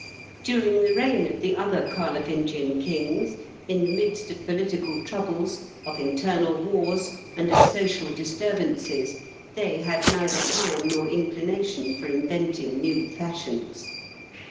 During the reign of the other Carlovingian kings, in the midst of political troubles, of internal wars, and of social disturbances, they had neither time nor inclination for inventing new fashions.